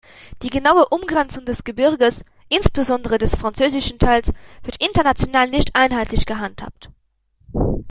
Die genaue Umgrenzung des Gebirges, insbesondere des französischen Teils, wird international nicht einheitlich gehandhabt.